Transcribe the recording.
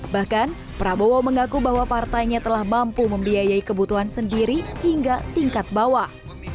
bahkan prabowo mengaku bahwa partainya telah mampu membiayai kebutuhan sendiri hingga tingkat bawah